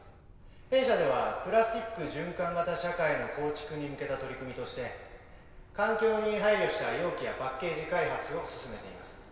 弊社ではプラスチック循環型社会の構築に向けた取り組みとして環境に配慮した容器やパッケージ開発を進めています。